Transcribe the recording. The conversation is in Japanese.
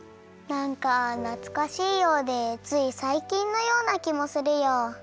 なんかなつかしいようでついさいきんのようなきもするよ。